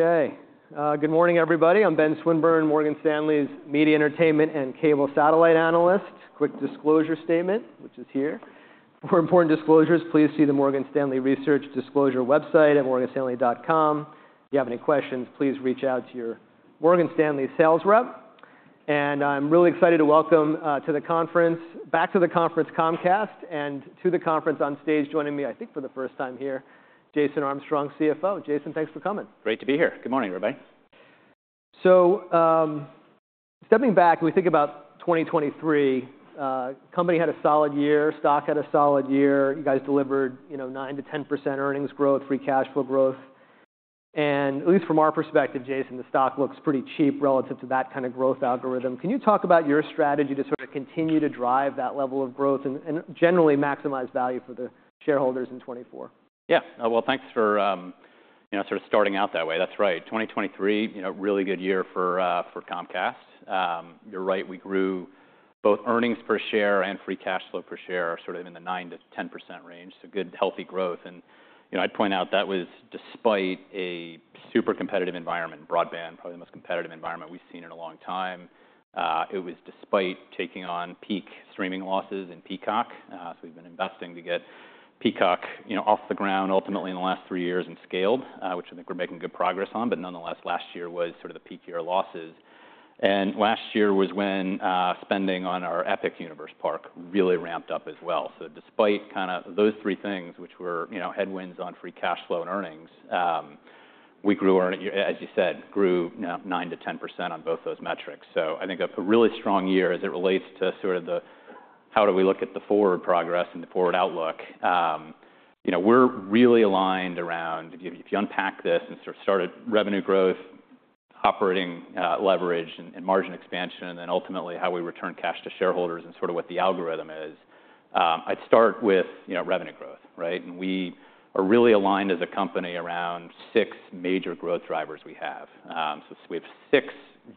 Okay, good morning everybody. I'm Ben Swinburne, Morgan Stanley's Media Entertainment and Cable Satellite Analyst. Quick disclosure statement, which is here. For important disclosures, please see the Morgan Stanley Research Disclosure website at morganstanley.com. If you have any questions, please reach out to your Morgan Stanley sales rep. I'm really excited to welcome back to the conference Comcast and to the conference on stage joining me, I think for the first time here, Jason Armstrong, CFO. Jason, thanks for coming. Great to be here. Good morning, everybody. So stepping back, if we think about 2023, company had a solid year, stock had a solid year. You guys delivered 9%-10% earnings growth, free cash flow growth. And at least from our perspective, Jason, the stock looks pretty cheap relative to that kind of growth algorithm. Can you talk about your strategy to sort of continue to drive that level of growth and generally maximize value for the shareholders in 2024? Yeah. Well, thanks for sort of starting out that way. That's right. 2023, really good year for Comcast. You're right. We grew both earnings per share and free cash flow per share sort of in the 9%-10% range. So good, healthy growth. And I'd point out that was despite a super competitive environment, broadband, probably the most competitive environment we've seen in a long time. It was despite taking on peak streaming losses in Peacock. So we've been investing to get Peacock off the ground ultimately in the last three years and scaled, which I think we're making good progress on. But nonetheless, last year was sort of the peak year of losses. And last year was when spending on our Epic Universe Park really ramped up as well. So despite kind of those three things, which were headwinds on free cash flow and earnings, we grew, as you said, grew 9%-10% on both those metrics. So I think a really strong year as it relates to sort of how do we look at the forward progress and the forward outlook. We're really aligned around if you unpack this and sort of start at revenue growth, operating leverage, and margin expansion, and then ultimately how we return cash to shareholders and sort of what the algorithm is, I'd start with revenue growth, right? And we are really aligned as a company around six major growth drivers we have. So we have six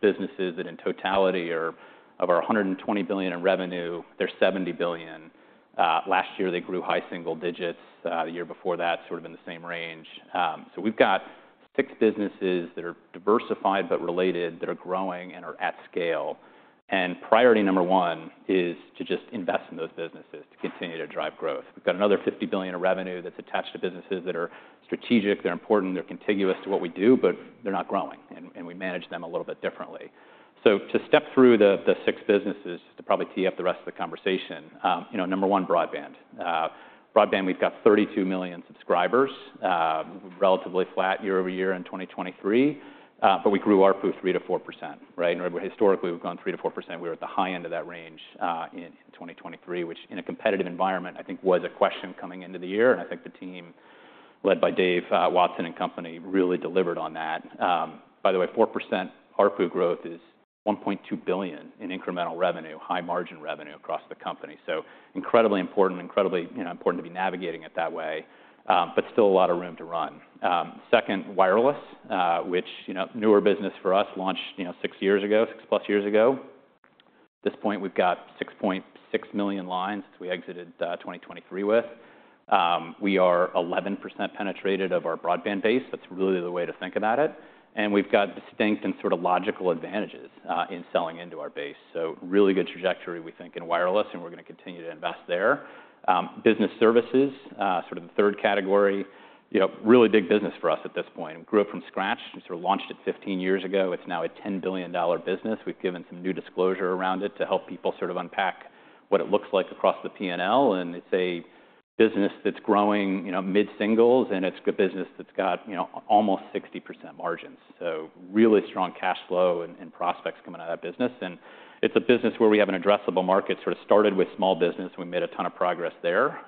businesses that in totality are of our $120 billion in revenue, they're $70 billion. Last year they grew high single digits. The year before that, sort of in the same range. We've got six businesses that are diversified but related that are growing and are at scale. Priority number one is to just invest in those businesses, to continue to drive growth. We've got another $50 billion in revenue that's attached to businesses that are strategic, they're important, they're contiguous to what we do, but they're not growing. We manage them a little bit differently. To step through the six businesses, just to probably tee up the rest of the conversation, number one, broadband. Broadband, we've got 32 million subscribers, relatively flat year-over-year in 2023. But we grew ARPU 3%-4%, right? Historically we've gone 3%-4%. We were at the high end of that range in 2023, which in a competitive environment, I think was a question coming into the year. I think the team led by Dave Watson and company really delivered on that. By the way, 4% ARPU growth is $1.2 billion in incremental revenue, high margin revenue across the company. So incredibly important, incredibly important to be navigating it that way, but still a lot of room to run. Second, wireless, which newer business for us, launched six years ago, 6+ years ago. At this point we've got 6.6 million lines that we exited 2023 with. We are 11% penetrated of our broadband base. That's really the way to think about it. We've got distinct and sort of logical advantages in selling into our base. So really good trajectory we think in wireless, and we're going to continue to invest there. Business services, sort of the third category, really big business for us at this point. We grew it from scratch, sort of launched it 15 years ago. It's now a $10 billion business. We've given some new disclosure around it to help people sort of unpack what it looks like across the P&L. And it's a business that's growing mid-singles, and it's a business that's got almost 60% margins. So really strong cash flow and prospects coming out of that business. And it's a business where we have an addressable market. Sort of started with small business. We made a ton of progress there.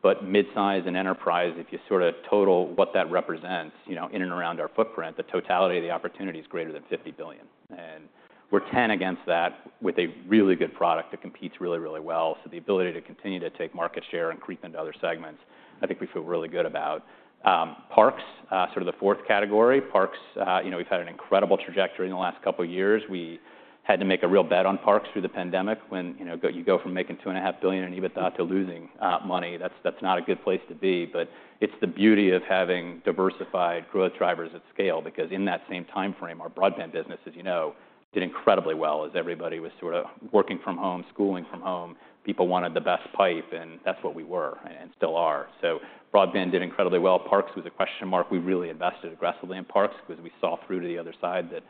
But midsize and enterprise, if you sort of total what that represents in and around our footprint, the totality of the opportunity is greater than $50 billion. And we're 10 against that with a really good product that competes really, really well. So the ability to continue to take market share and creep into other segments, I think we feel really good about. Parks, sort of the fourth category. Parks, we've had an incredible trajectory in the last couple of years. We had to make a real bet on parks through the pandemic when you go from making $2.5 billion in EBITDA to losing money. That's not a good place to be. But it's the beauty of having diversified growth drivers at scale. Because in that same time frame, our broadband business, as you know, did incredibly well as everybody was sort of working from home, schooling from home. People wanted the best pipe, and that's what we were and still are. So broadband did incredibly well. Parks was a question mark. We really invested aggressively in parks because we saw through to the other side that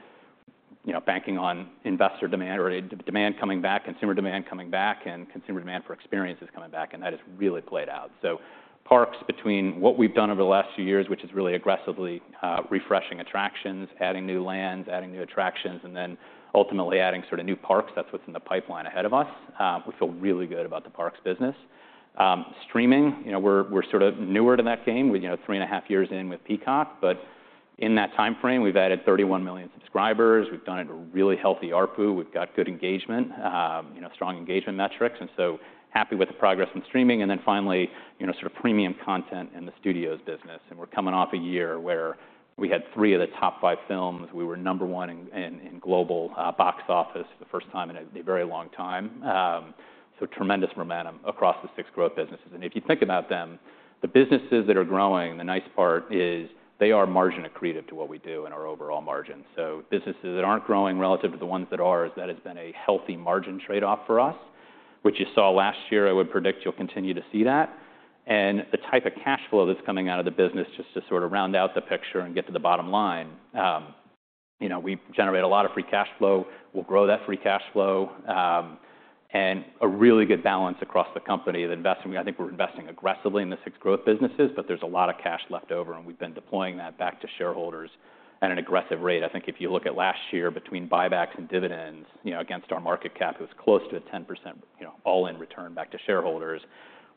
banking on investor demand or demand coming back, consumer demand coming back, and consumer demand for experiences coming back. That has really played out. So parks, between what we've done over the last few years, which is really aggressively refreshing attractions, adding new lands, adding new attractions, and then ultimately adding sort of new parks, that's what's in the pipeline ahead of us. We feel really good about the parks business. Streaming, we're sort of newer to that game with 3.5 years in with Peacock. But in that time frame, we've added 31 million subscribers. We've done it a really healthy ARPU. We've got good engagement, strong engagement metrics. And so happy with the progress in streaming. And then finally, sort of premium content and the studios business. We're coming off a year where we had three of the top five films. We were number one in global box office for the first time in a very long time. Tremendous momentum across the six growth businesses. And if you think about them, the businesses that are growing, the nice part is they are margin accretive to what we do and our overall margin. So businesses that aren't growing relative to the ones that are, that has been a healthy margin trade-off for us, which you saw last year. I would predict you'll continue to see that. And the type of cash flow that's coming out of the business, just to sort of round out the picture and get to the bottom line, we generate a lot of Free Cash Flow. We'll grow that Free Cash Flow. And a really good balance across the company. I think we're investing aggressively in the six growth businesses, but there's a lot of cash left over. And we've been deploying that back to shareholders at an aggressive rate. I think if you look at last year between buybacks and dividends against our market cap, it was close to a 10% all-in return back to shareholders.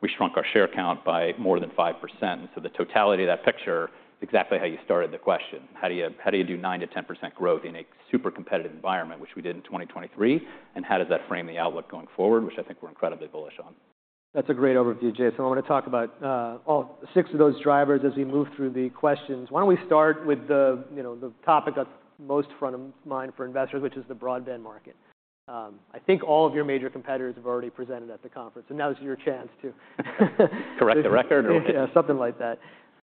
We shrunk our share count by more than 5%. And so the totality of that picture is exactly how you started the question. How do you do 9%-10% growth in a super competitive environment, which we did in 2023? And how does that frame the outlook going forward, which I think we're incredibly bullish on? That's a great overview, Jason. I want to talk about all six of those drivers as we move through the questions. Why don't we start with the topic that's most front of mind for investors, which is the broadband market? I think all of your major competitors have already presented at the conference. So now's your chance to. Correct the record, or what? Yeah, something like that.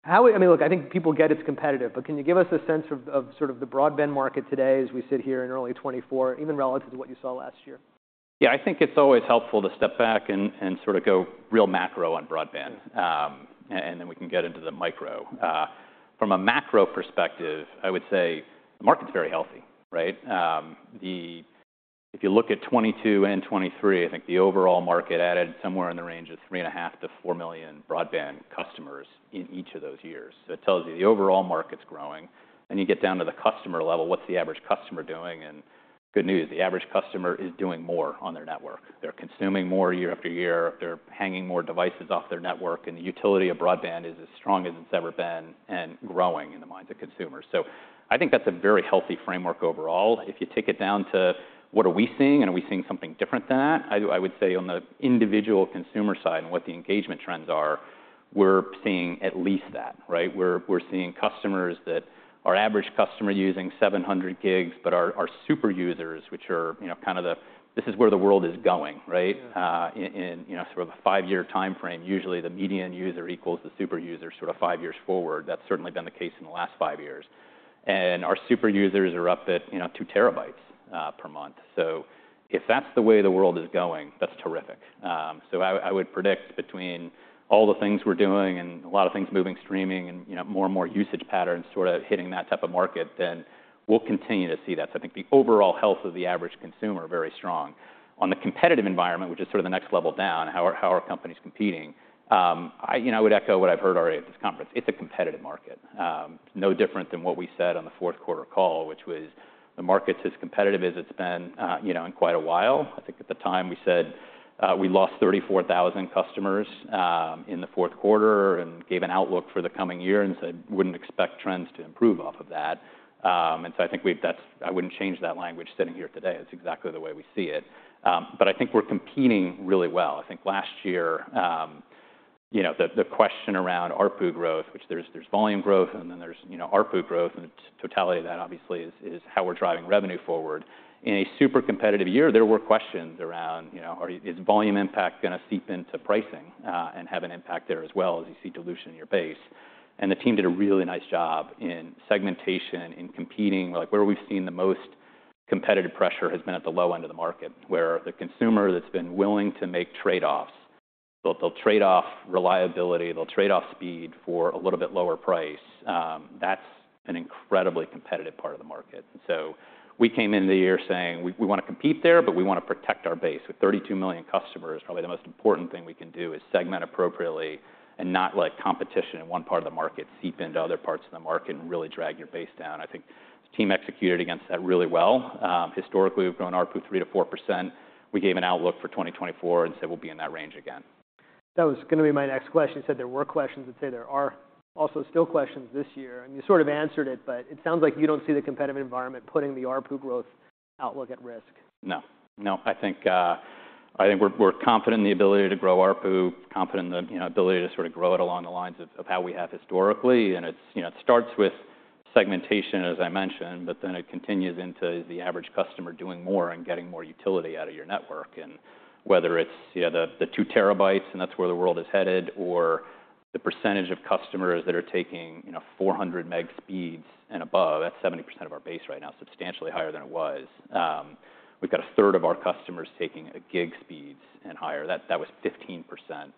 I mean, look, I think people get it's competitive. But can you give us a sense of sort of the broadband market today as we sit here in early 2024, even relative to what you saw last year? Yeah. I think it's always helpful to step back and sort of go real macro on broadband. Then we can get into the micro. From a macro perspective, I would say the market's very healthy, right? If you look at 2022 and 2023, I think the overall market added somewhere in the range of 3.5-4 million broadband customers in each of those years. So it tells you the overall market's growing. You get down to the customer level, what's the average customer doing? Good news, the average customer is doing more on their network. They're consuming more year after year. They're hanging more devices off their network. The utility of broadband is as strong as it's ever been and growing in the minds of consumers. So I think that's a very healthy framework overall. If you take it down to what are we seeing, and are we seeing something different than that? I would say on the individual consumer side and what the engagement trends are, we're seeing at least that, right? We're seeing customers that are average customer using 700 GB, but are super users, which are kind of the this is where the world is going, right? In sort of a 5-year time frame, usually the median user equals the super user sort of 5 years forward. That's certainly been the case in the last five years. And our super users are up at 2 TB per month. So if that's the way the world is going, that's terrific. So I would predict between all the things we're doing and a lot of things moving, streaming, and more and more usage patterns sort of hitting that type of market, then we'll continue to see that. So I think the overall health of the average consumer is very strong. On the competitive environment, which is sort of the next level down, how our company's competing, I would echo what I've heard already at this conference. It's a competitive market. No different than what we said on the fourth quarter call, which was the market's as competitive as it's been in quite a while. I think at the time we said we lost 34,000 customers in the fourth quarter and gave an outlook for the coming year and said wouldn't expect trends to improve off of that. And so I think I wouldn't change that language sitting here today. That's exactly the way we see it. But I think we're competing really well. I think last year, the question around ARPU growth, which there's volume growth and then there's ARPU growth, and the totality of that obviously is how we're driving revenue forward. In a super competitive year, there were questions around is volume impact going to seep into pricing and have an impact there as well as you see dilution in your base? And the team did a really nice job in segmentation, in competing. Where we've seen the most competitive pressure has been at the low end of the market, where the consumer that's been willing to make trade-offs, they'll trade off reliability, they'll trade off speed for a little bit lower price. That's an incredibly competitive part of the market. And so we came into the year saying we want to compete there, but we want to protect our base. With 32 million customers, probably the most important thing we can do is segment appropriately and not let competition in one part of the market seep into other parts of the market and really drag your base down. I think the team executed against that really well. Historically we've grown ARPU 3%-4%. We gave an outlook for 2024 and said we'll be in that range again. That was going to be my next question. You said there were questions that say there are also still questions this year. You sort of answered it, but it sounds like you don't see the competitive environment putting the ARPU growth outlook at risk. No. No. I think we're confident in the ability to grow ARPU, confident in the ability to sort of grow it along the lines of how we have historically. It starts with segmentation, as I mentioned, but then it continues into is the average customer doing more and getting more utility out of your network? And whether it's the 2 TB, and that's where the world is headed, or the percentage of customers that are taking 400 meg speeds and above, that's 70% of our base right now, substantially higher than it was. We've got a third of our customers taking gig speeds and higher. That was 15%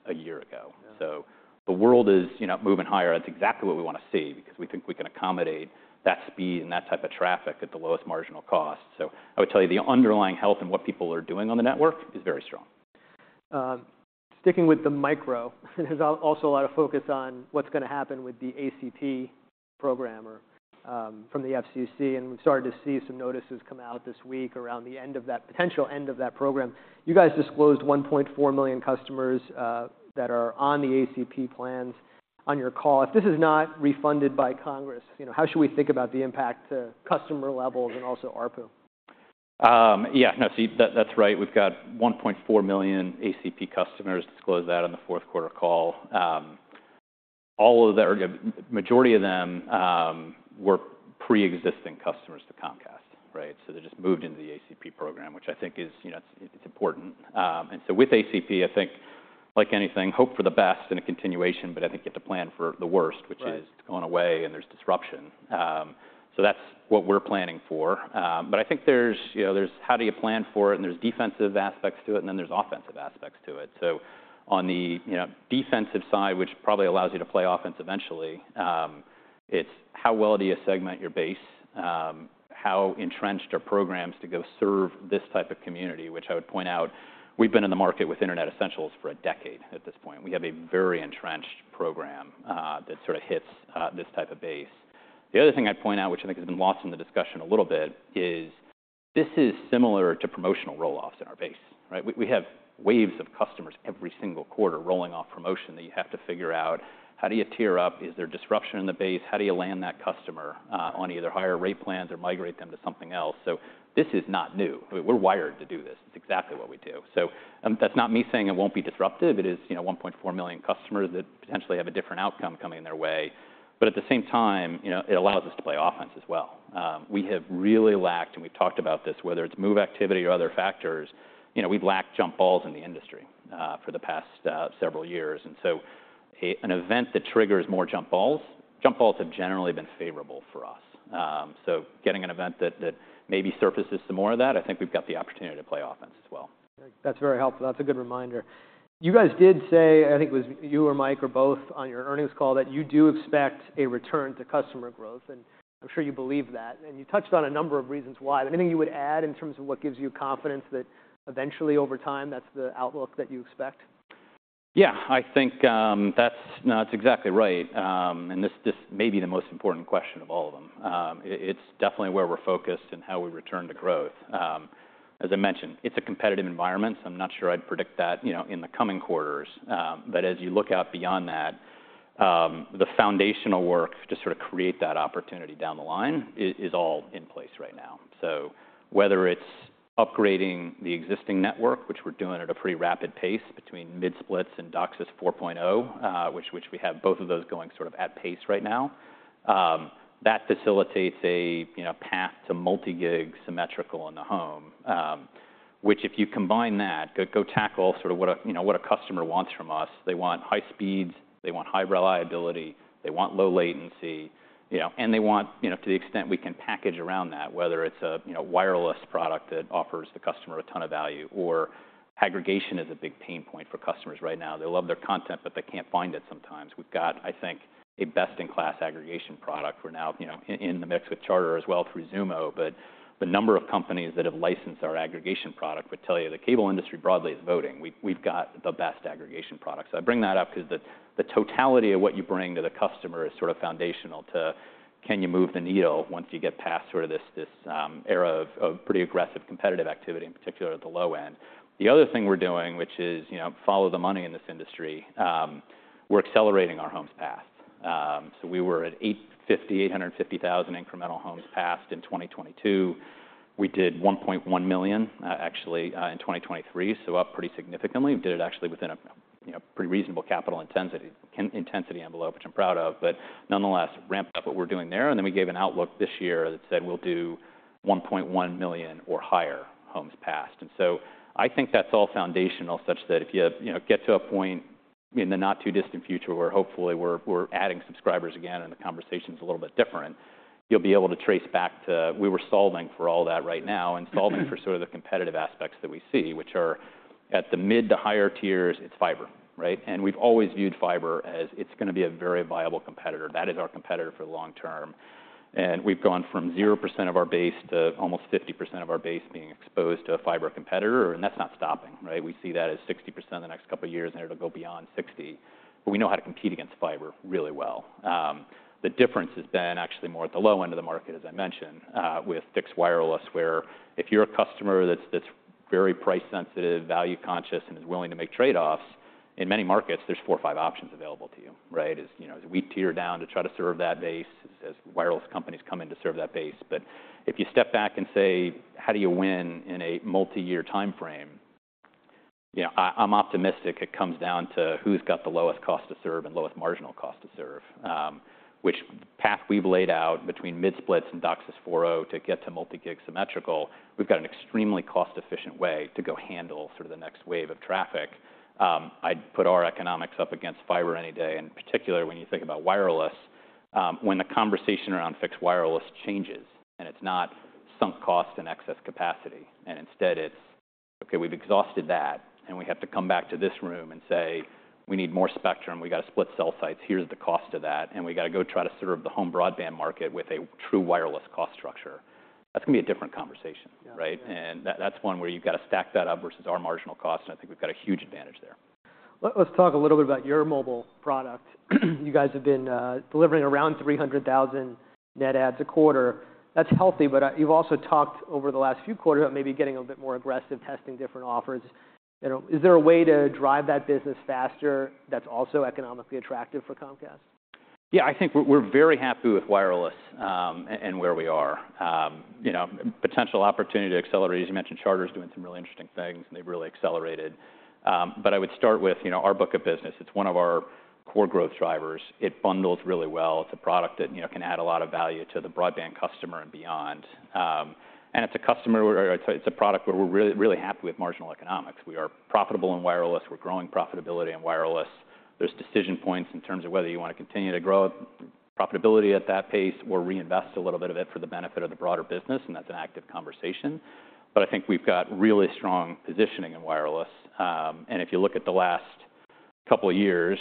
a year ago. So the world is moving higher. That's exactly what we want to see because we think we can accommodate that speed and that type of traffic at the lowest marginal cost. I would tell you the underlying health and what people are doing on the network is very strong. Sticking with the micro, there's also a lot of focus on what's going to happen with the ACP program from the FCC. We've started to see some notices come out this week around the end of that potential end of that program. You guys disclosed 1.4 million customers that are on the ACP plans on your call. If this is not refunded by Congress, how should we think about the impact to customer levels and also ARPU? Yeah. No. See, that's right. We've got 1.4 million ACP customers. Disclosed that on the fourth quarter call. Majority of them were pre-existing customers to Comcast, right? So they just moved into the ACP program, which I think is important. And so with ACP, I think like anything, hope for the best and a continuation, but I think you have to plan for the worst, which is it's going away and there's disruption. So that's what we're planning for. But I think there's how do you plan for it? And there's defensive aspects to it, and then there's offensive aspects to it. So on the defensive side, which probably allows you to play offense eventually, it's how well do you segment your base? How entrenched are programs to go serve this type of community? Which I would point out, we've been in the market with Internet Essentials for a decade at this point. We have a very entrenched program that sort of hits this type of base. The other thing I'd point out, which I think has been lost in the discussion a little bit, is this is similar to promotional roll-offs in our base, right? We have waves of customers every single quarter rolling off promotion that you have to figure out how do you tier up? Is there disruption in the base? How do you land that customer on either higher rate plans or migrate them to something else? So this is not new. We're wired to do this. It's exactly what we do. So that's not me saying it won't be disruptive. It is 1.4 million customers that potentially have a different outcome coming their way. But at the same time, it allows us to play offense as well. We have really lacked, and we've talked about this, whether it's move activity or other factors, we've lacked jump balls in the industry for the past several years. And so an event that triggers more jump balls, jump balls have generally been favorable for us. So getting an event that maybe surfaces some more of that, I think we've got the opportunity to play offense as well. That's very helpful. That's a good reminder. You guys did say, I think it was you or Mike or both on your earnings call, that you do expect a return to customer growth. I'm sure you believe that. You touched on a number of reasons why. Anything you would add in terms of what gives you confidence that eventually over time that's the outlook that you expect? Yeah. I think that's exactly right. This may be the most important question of all of them. It's definitely where we're focused and how we return to growth. As I mentioned, it's a competitive environment. So I'm not sure I'd predict that in the coming quarters. But as you look out beyond that, the foundational work to sort of create that opportunity down the line is all in place right now. So whether it's upgrading the existing network, which we're doing at a pretty rapid pace between mid-splits and DOCSIS 4.0, which we have both of those going sort of at pace right now, that facilitates a path to multi-gig symmetrical in the home. Which, if you combine that, go tackle sort of what a customer wants from us. They want high speeds. They want high reliability. They want low latency. They want, to the extent we can package around that, whether it's a wireless product that offers the customer a ton of value or aggregation is a big pain point for customers right now. They love their content, but they can't find it sometimes. We've got, I think, a best-in-class aggregation product. We're now in the mix with Charter as well through Xumo. But the number of companies that have licensed our aggregation product would tell you the cable industry broadly is voting. We've got the best aggregation product. So I bring that up because the totality of what you bring to the customer is sort of foundational to can you move the needle once you get past sort of this era of pretty aggressive competitive activity, in particular at the low end? The other thing we're doing, which is follow the money in this industry, we're accelerating our homes passed. So we were at 850,000 incremental homes passed in 2022. We did 1.1 million actually in 2023, so up pretty significantly. We did it actually within a pretty reasonable capital intensity envelope, which I'm proud of. But nonetheless, ramped up what we're doing there. And then we gave an outlook this year that said we'll do 1.1 million or higher homes passed. And so I think that's all foundational such that if you get to a point in the not too distant future where hopefully we're adding subscribers again and the conversation's a little bit different, you'll be able to trace back to we were solving for all that right now and solving for sort of the competitive aspects that we see, which are at the mid to higher tiers, it's fiber, right? And we've always viewed fiber as it's going to be a very viable competitor. That is our competitor for the long term. And we've gone from 0% of our base to almost 50% of our base being exposed to a fiber competitor. And that's not stopping, right? We see that as 60% in the next couple of years, and it'll go beyond 60. But we know how to compete against fiber really well. The difference has been actually more at the low end of the market, as I mentioned, with fixed wireless, where if you're a customer that's very price-sensitive, value-conscious, and is willing to make trade-offs, in many markets there's four or five options available to you, right? So we tier down to try to serve that base? Have wireless companies come in to serve that base? But if you step back and say how do you win in a multi-year time frame, I'm optimistic it comes down to who's got the lowest cost to serve and lowest marginal cost to serve. Which path we've laid out between mid-splits and DOCSIS 4.0 to get to Multi-Gig Symmetrical, we've got an extremely cost-efficient way to go handle sort of the next wave of traffic. I'd put our economics up against fiber any day. In particular, when you think about wireless, when the conversation around fixed wireless changes and it's not sunk cost and excess capacity, and instead it's, OK, we've exhausted that, and we have to come back to this room and say we need more spectrum. We've got to split cell sites. Here's the cost of that. And we've got to go try to serve the home broadband market with a true wireless cost structure. That's going to be a different conversation, right? And that's one where you've got to stack that up versus our marginal cost. And I think we've got a huge advantage there. Let's talk a little bit about your mobile product. You guys have been delivering around 300,000 net adds a quarter. That's healthy. But you've also talked over the last few quarters about maybe getting a little bit more aggressive, testing different offers. Is there a way to drive that business faster that's also economically attractive for Comcast? Yeah. I think we're very happy with wireless and where we are. Potential opportunity to accelerate. As you mentioned, Charter's doing some really interesting things, and they've really accelerated. But I would start with our book of business. It's one of our core growth drivers. It bundles really well. It's a product that can add a lot of value to the broadband customer and beyond. And it's a customer or it's a product where we're really happy with marginal economics. We are profitable in wireless. We're growing profitability in wireless. There's decision points in terms of whether you want to continue to grow profitability at that pace or reinvest a little bit of it for the benefit of the broader business. And that's an active conversation. But I think we've got really strong positioning in wireless. If you look at the last couple of years,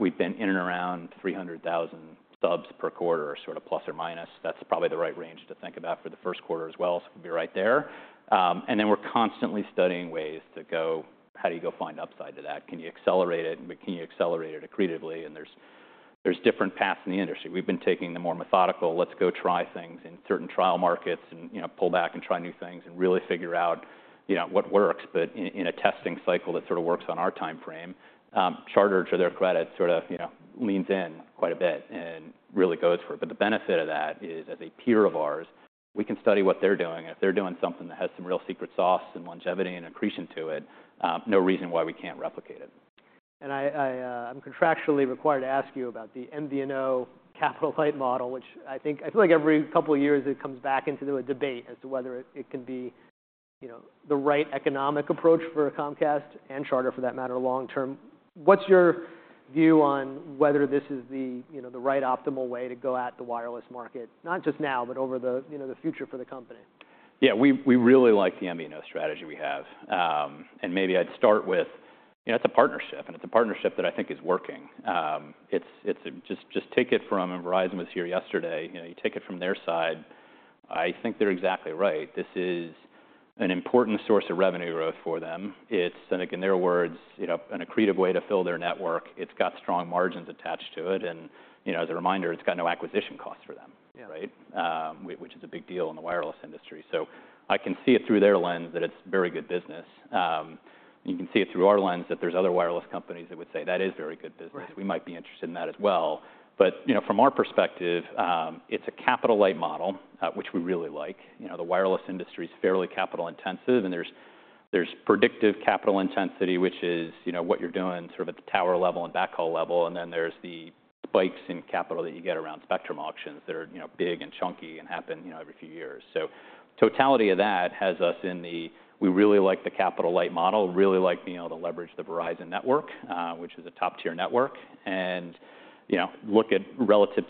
we've been in and around 300,000 subs per quarter, sort of plus or minus. That's probably the right range to think about for the first quarter as well. We'll be right there. Then we're constantly studying ways to go how do you go find upside to that? Can you accelerate it? Can you accelerate it accretively? There's different paths in the industry. We've been taking the more methodical, let's go try things in certain trial markets and pull back and try new things and really figure out what works. But in a testing cycle that sort of works on our time frame, Charter, to their credit, sort of leans in quite a bit and really goes for it. But the benefit of that is, as a peer of ours, we can study what they're doing. If they're doing something that has some real secret sauce and longevity and accretion to it, no reason why we can't replicate it. I'm contractually required to ask you about the MVNO capital-light model, which I think I feel like every couple of years it comes back into a debate as to whether it can be the right economic approach for Comcast and Charter, for that matter, long term. What's your view on whether this is the right optimal way to go at the wireless market, not just now, but over the future for the company? Yeah. We really like the MVNO strategy we have. Maybe I'd start with it's a partnership. It's a partnership that I think is working. Just take it from Verizon. Verizon was here yesterday. You take it from their side, I think they're exactly right. This is an important source of revenue growth for them. It's, I think, in their words, an accretive way to fill their network. It's got strong margins attached to it. As a reminder, it's got no acquisition costs for them, right? Which is a big deal in the wireless industry. So I can see it through their lens that it's very good business. You can see it through our lens that there's other wireless companies that would say that is very good business. We might be interested in that as well. From our perspective, it's a capital-light model, which we really like. The wireless industry is fairly capital-intensive. There's predictive capital intensity, which is what you're doing sort of at the tower level and backhaul level. Then there's the spikes in capital that you get around spectrum auctions that are big and chunky and happen every few years. So totality of that has us in the we really like the capital-light model, really like being able to leverage the Verizon network, which is a top-tier network. And look at relative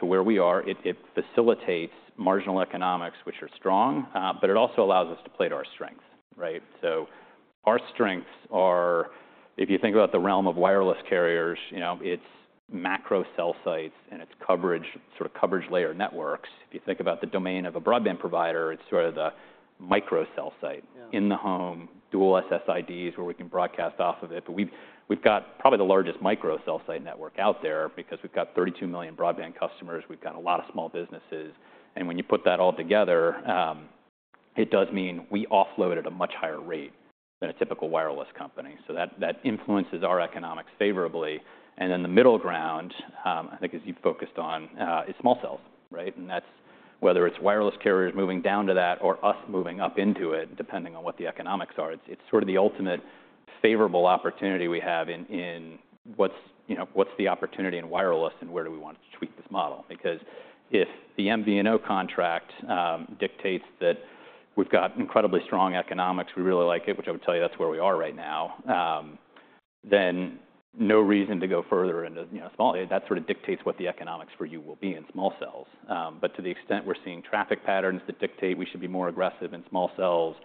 to where we are, it facilitates marginal economics, which are strong. But it also allows us to play to our strengths, right? So our strengths are, if you think about the realm of wireless carriers, it's macro cell sites and it's sort of coverage layer networks. If you think about the domain of a broadband provider, it's sort of the micro cell site in the home, dual SSIDs where we can broadcast off of it. But we've got probably the largest micro cell site network out there because we've got 32 million broadband customers. We've got a lot of small businesses. And when you put that all together, it does mean we offload at a much higher rate than a typical wireless company. So that influences our economics favorably. And then the middle ground, I think as you've focused on, is small cells, right? And that's whether it's wireless carriers moving down to that or us moving up into it, depending on what the economics are. It's sort of the ultimate favorable opportunity we have in what's the opportunity in wireless and where do we want to tweak this model? Because if the MVNO contract dictates that we've got incredibly strong economics, we really like it, which I would tell you that's where we are right now, then no reason to go further into small that sort of dictates what the economics for you will be in small cells. But to the extent we're seeing traffic patterns that dictate we should be more aggressive in small cells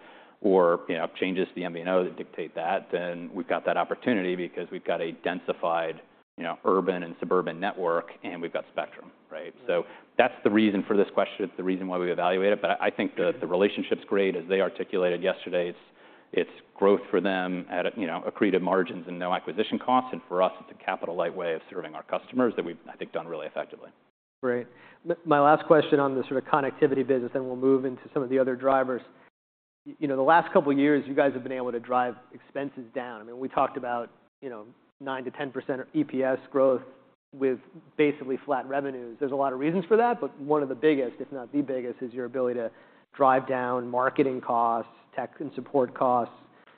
or changes to the MVNO that dictate that, then we've got that opportunity because we've got a densified urban and suburban network, and we've got spectrum, right? So that's the reason for this question. It's the reason why we evaluate it. But I think the relationship's great. As they articulated yesterday, it's growth for them at accretive margins and no acquisition costs. And for us, it's a capital-light way of serving our customers that we've, I think, done really effectively. Great. My last question on the sort of connectivity business, then we'll move into some of the other drivers. The last couple of years, you guys have been able to drive expenses down. I mean, we talked about 9%-10% EPS growth with basically flat revenues. There's a lot of reasons for that. But one of the biggest, if not the biggest, is your ability to drive down marketing costs, tech and support costs,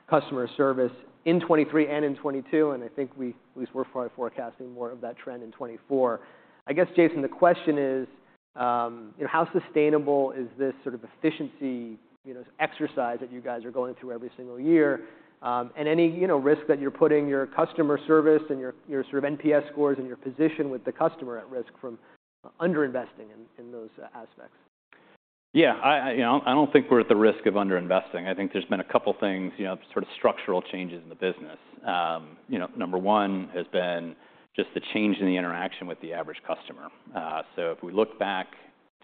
customer service in 2023 and in 2022. And I think we at least were probably forecasting more of that trend in 2024. I guess, Jason, the question is how sustainable is this sort of efficiency exercise that you guys are going through every single year? And any risk that you're putting your customer service and your sort of NPS scores and your position with the customer at risk from underinvesting in those aspects? Yeah. I don't think we're at the risk of underinvesting. I think there's been a couple of things, sort of structural changes in the business. Number one has been just the change in the interaction with the average customer. So if we look back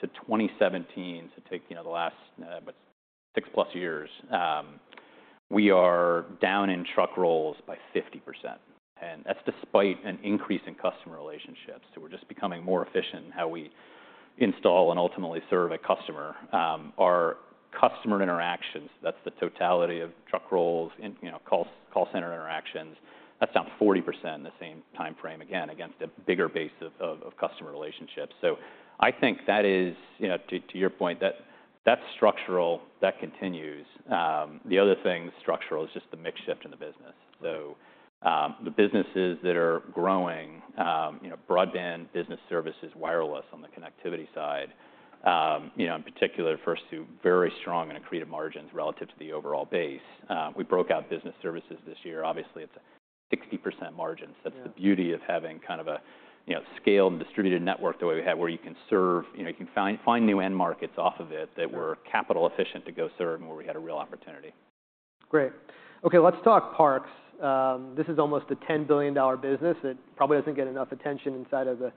to 2017, so take the last 6+ years, we are down in truck rolls by 50%. And that's despite an increase in customer relationships. So we're just becoming more efficient in how we install and ultimately serve a customer. Our customer interactions, that's the totality of truck rolls, call center interactions, that's down 40% in the same time frame, again, against a bigger base of customer relationships. So I think that is, to your point, that's structural. That continues. The other thing structural is just the mix shift in the business. So the businesses that are growing, broadband, business services, wireless on the connectivity side, in particular, first two very strong and accretive margins relative to the overall base. We broke out business services this year. Obviously, it's a 60% margins. That's the beauty of having kind of a scaled and distributed network the way we had, where you can find new end markets off of it that were capital-efficient to go serve and where we had a real opportunity. Great. OK. Let's talk parks. This is almost a $10 billion business. It probably doesn't get enough attention inside of the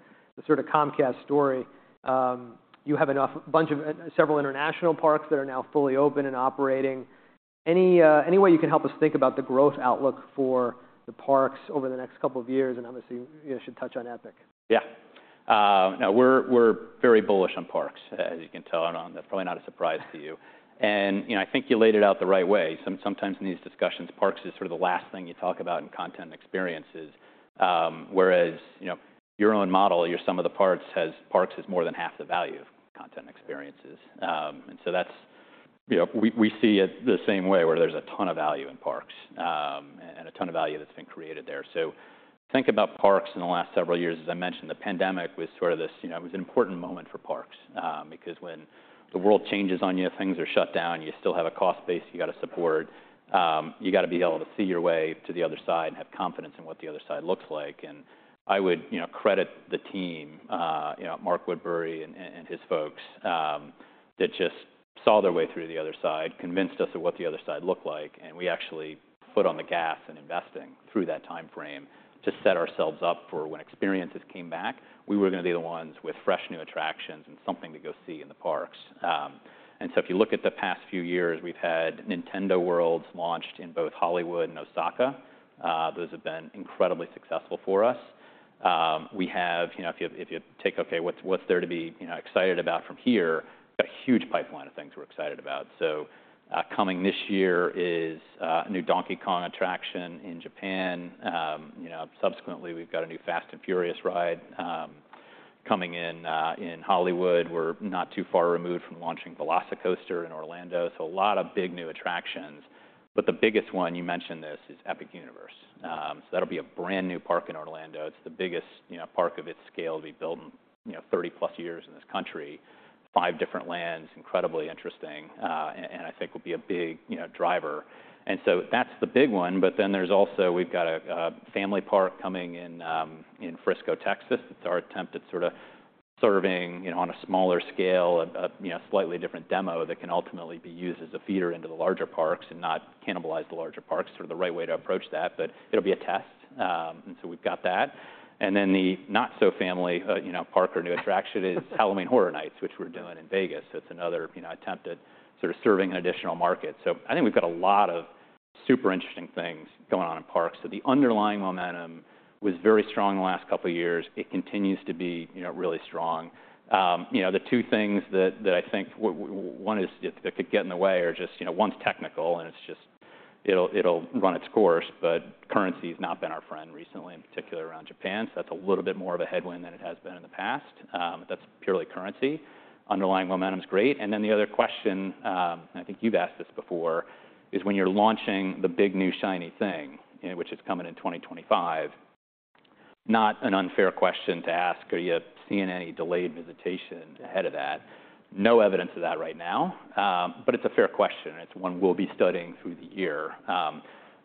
sort of Comcast story. You have a bunch of several international parks that are now fully open and operating. Any way you can help us think about the growth outlook for the parks over the next couple of years? And obviously, you should touch on Epic. Yeah. No. We're very bullish on parks, as you can tell. That's probably not a surprise to you. I think you laid it out the right way. Sometimes in these discussions, parks is sort of the last thing you talk about in content and experiences. Whereas your own model, some of the parts has parks is more than half the value of content and experiences. So we see it the same way, where there's a ton of value in parks and a ton of value that's been created there. Think about parks in the last several years. As I mentioned, the pandemic was sort of this; it was an important moment for parks because when the world changes on you, things are shut down, you still have a cost base. You've got to support. You've got to be able to see your way to the other side and have confidence in what the other side looks like. I would credit the team, Mark Woodbury and his folks, that just saw their way through to the other side, convinced us of what the other side looked like. We actually put on the gas and investing through that time frame to set ourselves up for when experiences came back, we were going to be the ones with fresh new attractions and something to go see in the parks. So if you look at the past few years, we've had Nintendo Worlds launched in both Hollywood and Osaka. Those have been incredibly successful for us. We have, if you take, OK, what's there to be excited about from here, we've got a huge pipeline of things we're excited about. So coming this year is a new Donkey Kong attraction in Japan. Subsequently, we've got a new Fast and Furious ride coming in Hollywood. We're not too far removed from launching VelociCoaster in Orlando. So a lot of big new attractions. But the biggest one, you mentioned this, is Epic Universe. So that'll be a brand new park in Orlando. It's the biggest park of its scale to be built in 30+ years in this country. Five different lands, incredibly interesting. And I think will be a big driver. And so that's the big one. But then there's also we've got a family park coming in Frisco, Texas. That's our attempt at sort of serving on a smaller scale, a slightly different demo that can ultimately be used as a feeder into the larger parks and not cannibalize the larger parks. Sort of the right way to approach that. But it'll be a test. And so we've got that. And then the not-so-family park or new attraction is Halloween Horror Nights, which we're doing in Vegas. So it's another attempt at sort of serving an additional market. So I think we've got a lot of super interesting things going on in parks. So the underlying momentum was very strong in the last couple of years. It continues to be really strong. The two things that I think one is that could get in the way are just one is technical, and it's just, it'll run its course. But currency has not been our friend recently, in particular around Japan. So that's a little bit more of a headwind than it has been in the past. That's purely currency. Underlying momentum is great. And then the other question, and I think you've asked this before, is when you're launching the big new shiny thing, which is coming in 2025, not an unfair question to ask, are you seeing any delayed visitation ahead of that? No evidence of that right now. But it's a fair question. And it's one we'll be studying through the year.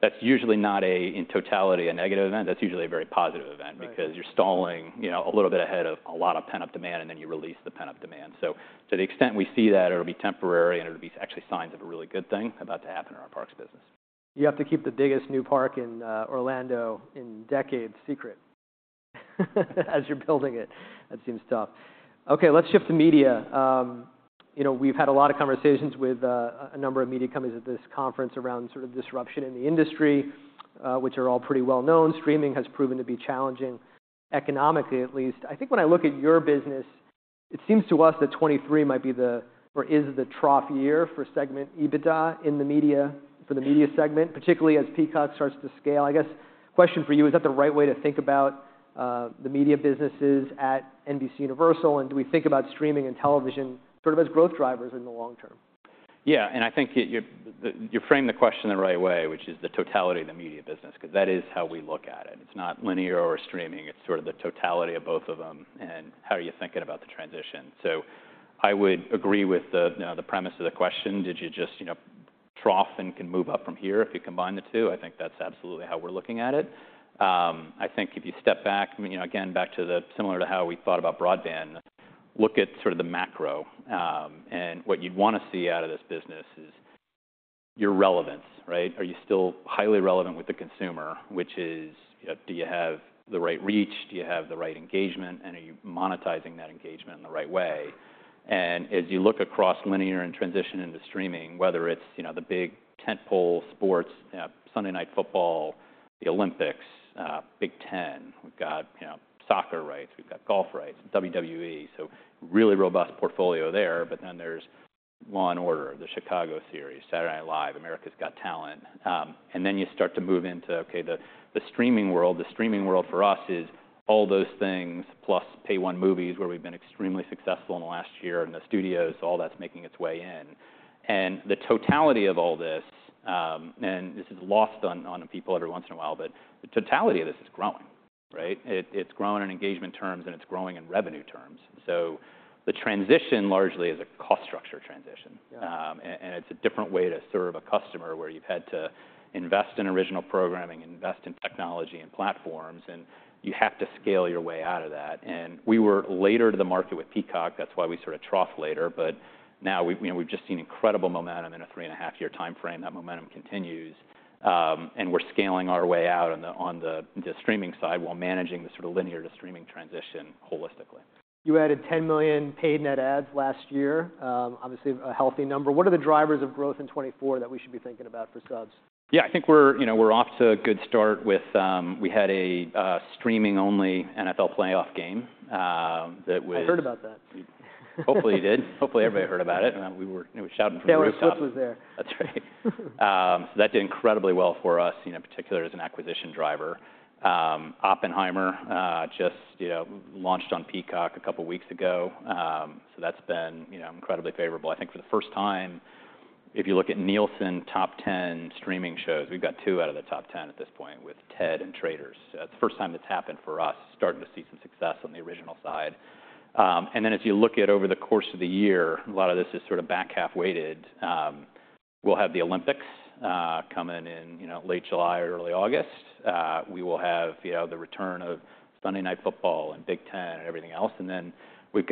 That's usually not, in totality, a negative event. That's usually a very positive event because you're stalling a little bit ahead of a lot of pent-up demand, and then you release the pent-up demand. So to the extent we see that, it'll be temporary. And it'll be actually signs of a really good thing about to happen in our parks business. You have to keep the biggest new park in Orlando in decades secret as you're building it. That seems tough. OK. Let's shift to media. We've had a lot of conversations with a number of media companies at this conference around sort of disruption in the industry, which are all pretty well known. Streaming has proven to be challenging economically, at least. I think when I look at your business, it seems to us that 2023 might be the or is the trough year for segment EBITDA in the media for the media segment, particularly as Peacock starts to scale. I guess question for you, is that the right way to think about the media businesses at NBCUniversal? And do we think about streaming and television sort of as growth drivers in the long term? Yeah. And I think you framed the question the right way, which is the totality of the media business because that is how we look at it. It's not linear or streaming. It's sort of the totality of both of them and how you're thinking about the transition. So I would agree with the premise of the question. Did you just trough and can move up from here if you combine the two? I think that's absolutely how we're looking at it. I think if you step back, again, back to the similar to how we thought about broadband, look at sort of the macro. And what you'd want to see out of this business is your relevance, right? Are you still highly relevant with the consumer? Which is, do you have the right reach? Do you have the right engagement? Are you monetizing that engagement in the right way? As you look across linear and transition into streaming, whether it's the big tent pole sports, Sunday Night Football, the Olympics, Big Ten, we've got soccer rights. We've got golf rights, WWE. So really robust portfolio there. But then there's Law & Order, the Chicago series, Saturday Night Live, America's Got Talent. And then you start to move into, OK, the streaming world. The streaming world for us is all those things plus Pay-One movies, where we've been extremely successful in the last year, and the studios. All that's making its way in. And the totality of all this and this is lost on people every once in a while. But the totality of this is growing, right? It's grown in engagement terms. And it's growing in revenue terms. So the transition largely is a cost structure transition. It's a different way to serve a customer, where you've had to invest in original programming, invest in technology, and platforms. You have to scale your way out of that. We were later to the market with Peacock. That's why we sort of trough later. But now we've just seen incredible momentum in a 3.5-year time frame. That momentum continues. We're scaling our way out on the streaming side while managing the sort of linear to streaming transition holistically. You added 10 million paid net adds last year. Obviously, a healthy number. What are the drivers of growth in 2024 that we should be thinking about for subs? Yeah. I think we're off to a good start with we had a streaming-only NFL playoff game that was. I heard about that. Hopefully, you did. Hopefully, everybody heard about it. It was shouting from the rooftop. Taylor Swift was there. That's right. So that did incredibly well for us, in particular as an acquisition driver. Oppenheimer just launched on Peacock a couple of weeks ago. So that's been incredibly favorable. I think for the first time, if you look at Nielsen top 10 streaming shows, we've got two out of the top 10 at this point with Ted and Traitors. So that's the first time that's happened for us, starting to see some success on the original side. And then as you look at over the course of the year, a lot of this is sort of back half weighted. We'll have the Olympics coming in late July or early August. We will have the return of Sunday Night Football and Big Ten and everything else. And then, as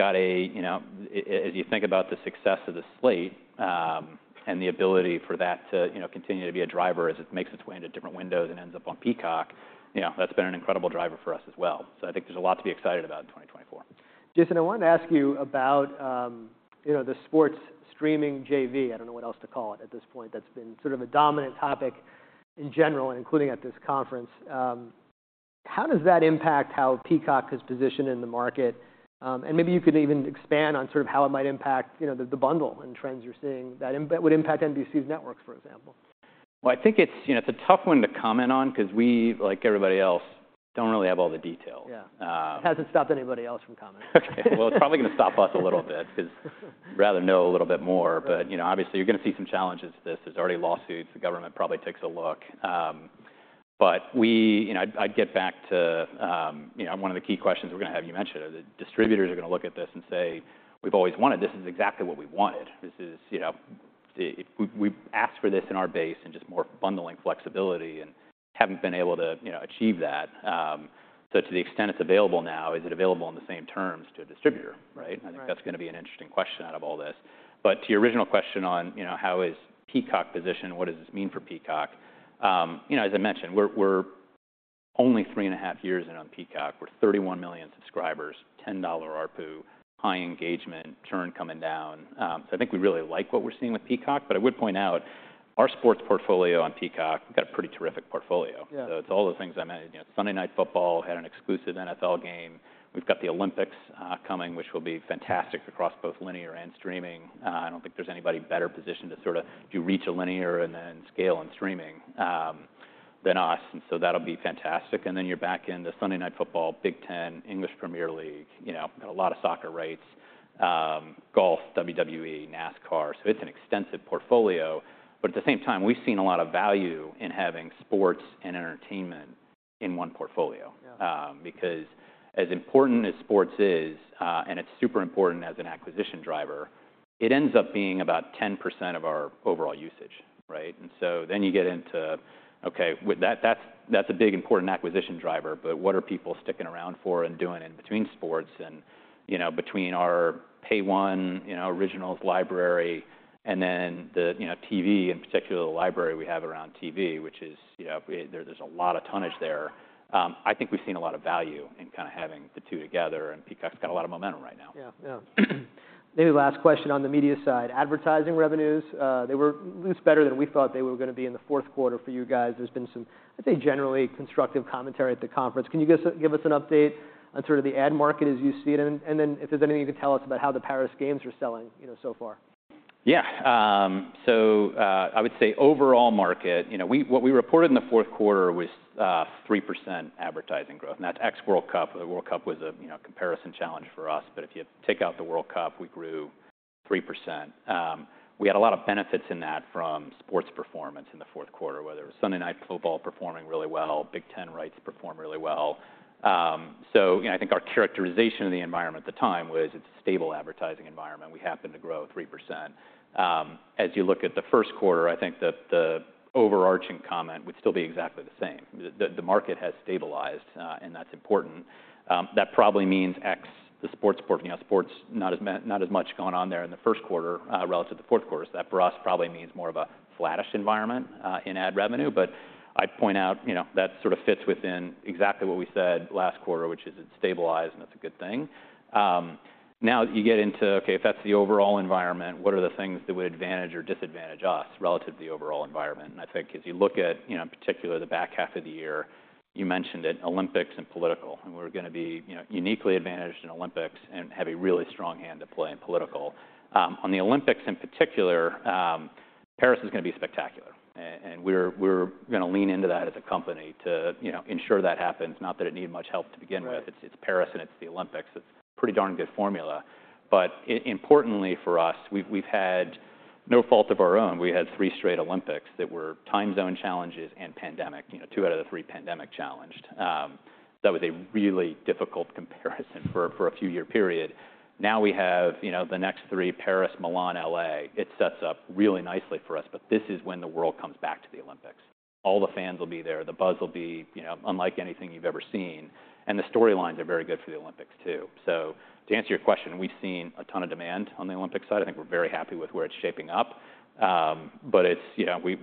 you think about the success of the slate and the ability for that to continue to be a driver as it makes its way into different windows and ends up on Peacock, that's been an incredible driver for us as well. So I think there's a lot to be excited about in 2024. Jason, I wanted to ask you about the sports streaming JV. I don't know what else to call it at this point. That's been sort of a dominant topic in general, including at this conference. How does that impact how Peacock has positioned in the market? And maybe you could even expand on sort of how it might impact the bundle and trends you're seeing. That would impact NBC's networks, for example. Well, I think it's a tough one to comment on because we, like everybody else, don't really have all the details. Yeah. It hasn't stopped anybody else from commenting. OK. Well, it's probably going to stop us a little bit because we'd rather know a little bit more. But obviously, you're going to see some challenges to this. There's already lawsuits. The government probably takes a look. But I'd get back to one of the key questions we're going to have you mentioned. Distributors are going to look at this and say, we've always wanted this is exactly what we wanted. We've asked for this in our base and just more bundling flexibility and haven't been able to achieve that. So to the extent it's available now, is it available on the same terms to a distributor, right? I think that's going to be an interesting question out of all this. But to your original question on how is Peacock positioned, what does this mean for Peacock, as I mentioned, we're only 3.5 years in on Peacock. We're 31 million subscribers, $10 ARPU, high engagement, churn coming down. So I think we really like what we're seeing with Peacock. But I would point out our sports portfolio on Peacock, we've got a pretty terrific portfolio. So it's all the things I mentioned. Sunday Night Football had an exclusive NFL game. We've got the Olympics coming, which will be fantastic across both linear and streaming. I don't think there's anybody better positioned to sort of do reach a linear and then scale in streaming than us. And so that'll be fantastic. And then you're back into Sunday Night Football, Big Ten, English Premier League. We've got a lot of soccer rights, golf, WWE, NASCAR. So it's an extensive portfolio. But at the same time, we've seen a lot of value in having sports and entertainment in one portfolio because as important as sports is, and it's super important as an acquisition driver, it ends up being about 10% of our overall usage, right? And so then you get into, OK, that's a big, important acquisition driver. But what are people sticking around for and doing in between sports and between our Pay-One Originals library and then the TV, in particular, the library we have around TV, which is there's a lot of tonnage there? I think we've seen a lot of value in kind of having the two together. And Peacock's got a lot of momentum right now. Yeah. Yeah. Maybe last question on the media side. Advertising revenues, they were at least better than we thought they were going to be in the fourth quarter for you guys. There's been some, I'd say, generally constructive commentary at the conference. Can you give us an update on sort of the ad market as you see it? And then if there's anything you can tell us about how the Paris Games are selling so far. Yeah. So I would say overall market, what we reported in the fourth quarter was 3% advertising growth. And that's ex-World Cup. World Cup was a comparison challenge for us. But if you take out the World Cup, we grew 3%. We had a lot of benefits in that from sports performance in the fourth quarter, whether it was Sunday Night Football performing really well, Big Ten rights perform really well. So I think our characterization of the environment at the time was it's a stable advertising environment. We happened to grow 3%. As you look at the first quarter, I think the overarching comment would still be exactly the same. The market has stabilized. And that's important. That probably means ex the sports portfolio. Sports not as much going on there in the first quarter relative to the fourth quarter. So that for us probably means more of a flattish environment in ad revenue. But I'd point out that sort of fits within exactly what we said last quarter, which is, it stabilized. And that's a good thing. Now you get into, OK, if that's the overall environment, what are the things that would advantage or disadvantage us relative to the overall environment? And I think as you look at, in particular, the back half of the year, you mentioned it, Olympics and political. And we're going to be uniquely advantaged in Olympics and have a really strong hand to play in political. On the Olympics in particular, Paris is going to be spectacular. And we're going to lean into that as a company to ensure that happens. Not that it needed much help to begin with. It's Paris. And it's the Olympics. It's a pretty darn good formula. But importantly for us, we've had no fault of our own. We had three straight Olympics that were time zone challenges and pandemic, two out of the three pandemic-challenged. That was a really difficult comparison for a few-year period. Now we have the next three, Paris, Milan, LA. It sets up really nicely for us. But this is when the world comes back to the Olympics. All the fans will be there. The buzz will be unlike anything you've ever seen. And the storylines are very good for the Olympics too. So to answer your question, we've seen a ton of demand on the Olympic side. I think we're very happy with where it's shaping up. But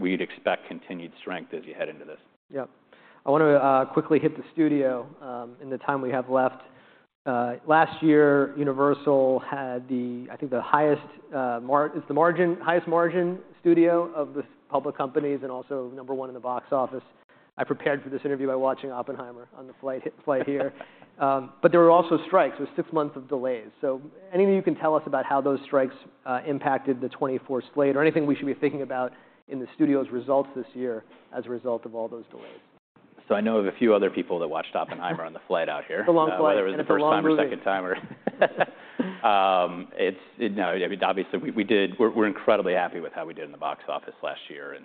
we'd expect continued strength as you head into this. Yep. I want to quickly hit the studio in the time we have left. Last year, Universal had the, I think, the highest is the margin, highest margin studio of the public companies and also number one in the box office. I prepared for this interview by watching Oppenheimer on the flight here. But there were also strikes. It was six months of delays. So anything you can tell us about how those strikes impacted the 2024 slate or anything we should be thinking about in the studio's results this year as a result of all those delays? I know of a few other people that watched Oppenheimer on the flight out here. The long flight. Whether it was the first time, second time, or no, I mean, obviously, we did. We're incredibly happy with how we did in the box office last year.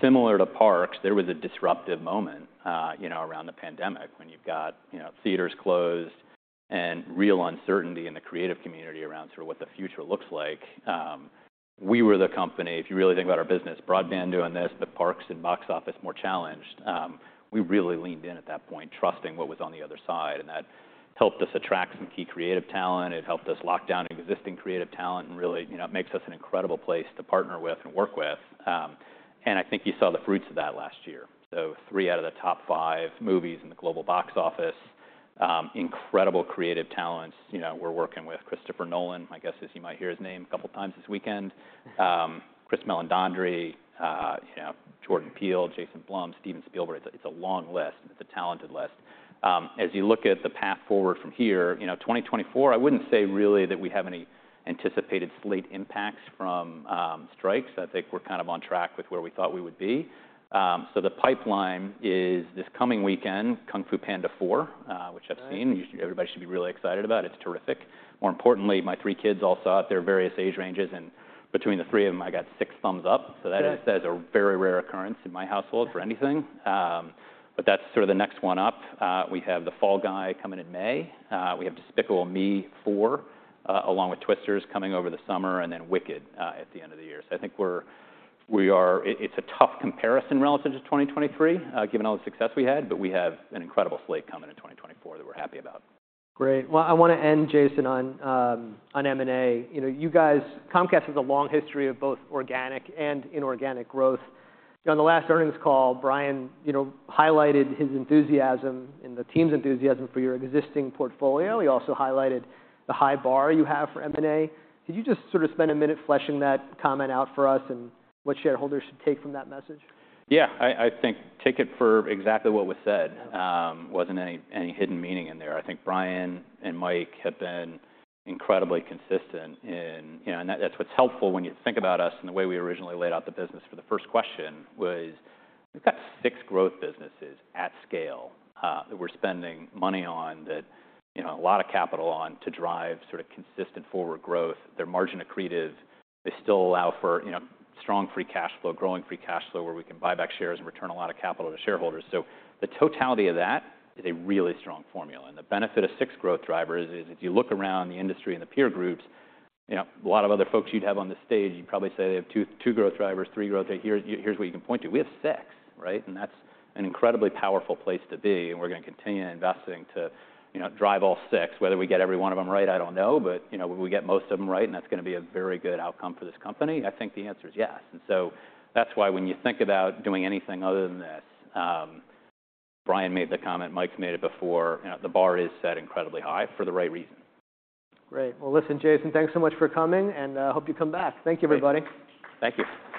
Similar to parks, there was a disruptive moment around the pandemic when you've got theaters closed and real uncertainty in the creative community around sort of what the future looks like. We were the company, if you really think about our business, broadband doing this, but parks and box office more challenged. We really leaned in at that point, trusting what was on the other side. And that helped us attract some key creative talent. It helped us lock down existing creative talent. And really, it makes us an incredible place to partner with and work with. And I think you saw the fruits of that last year. So three out of the top five movies in the global box office, incredible creative talents. We're working with Christopher Nolan. My guess is you might hear his name a couple of times this weekend. Chris Meledandri, Jordan Peele, Jason Blum, Steven Spielberg. It's a long list. It's a talented list. As you look at the path forward from here, 2024, I wouldn't say really that we have any anticipated slate impacts from strikes. I think we're kind of on track with where we thought we would be. So the pipeline is this coming weekend, Kung Fu Panda 4, which I've seen. Everybody should be really excited about it. It's terrific. More importantly, my three kids all saw it. They're various age ranges. And between the three of them, I got six thumbs up. So that is a very rare occurrence in my household for anything. But that's sort of the next one up. We have The Fall Guy coming in May. We have Despicable Me 4, along with Twisters, coming over the summer. And then Wicked at the end of the year. So I think we are. It's a tough comparison relative to 2023, given all the success we had. But we have an incredible slate coming in 2024 that we're happy about. Great. Well, I want to end, Jason, on M&A. You guys, Comcast has a long history of both organic and inorganic growth. On the last earnings call, Brian highlighted his enthusiasm and the team's enthusiasm for your existing portfolio. He also highlighted the high bar you have for M&A. Could you just sort of spend a minute fleshing that comment out for us and what shareholders should take from that message? Yeah. I think take it for exactly what was said. Wasn't any hidden meaning in there. I think Brian and Mike have been incredibly consistent in and that's what's helpful when you think about us and the way we originally laid out the business for the first question was we've got six growth businesses at scale that we're spending money on, a lot of capital on, to drive sort of consistent forward growth. They're margin accretive. They still allow for strong free cash flow, growing free cash flow, where we can buy back shares and return a lot of capital to shareholders. So the totality of that is a really strong formula. The benefit of six growth drivers is if you look around the industry and the peer groups, a lot of other folks you'd have on the stage, you'd probably say they have two growth drivers, three growth drivers. Here's what you can point to. We have six, right? That's an incredibly powerful place to be. We're going to continue investing to drive all six. Whether we get every one of them right, I don't know. But will we get most of them right? That's going to be a very good outcome for this company? I think the answer is yes. That's why when you think about doing anything other than this, Brian made the comment. Mike's made it before. The bar is set incredibly high for the right reason. Great. Well, listen, Jason, thanks so much for coming. I hope you come back. Thank you, everybody. Thank you.